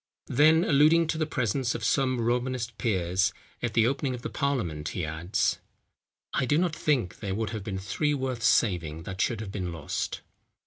Then alluding to the presence of some Romanist peers at the opening of parliament, he adds: "I do not think there would have been three worth saving that should have been lost."